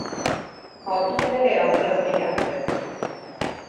Ho tutte le ossa slegate.